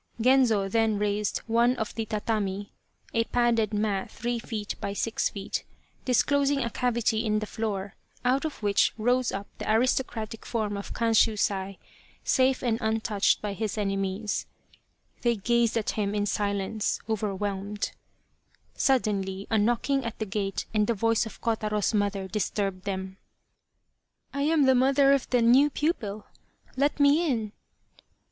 Genzo then raised one of the tatami (a padded mat three feet by six feet), disclosing a cavity in the floor, out of which rose up the aristo cratic form of Kanshusai, safe and untouched by his enemies. They gazed at him in silence overwhelmed. Suddenly, a knocking at the gate and the voice of Kotaro's mother disturbed them. o 209 Loyal, Even Unto Death " I am the mother of the new pupil. Let me in